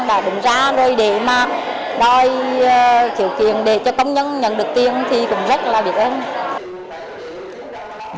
đã đứng ra rồi để mà đòi chiều kiền để cho công nhân nhận được tiền thì cũng rất là biết ơn